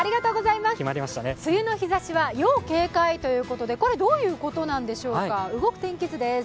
梅雨の日ざしは要警戒ということで、これ、どういうことなんでしょうか動く天気図です。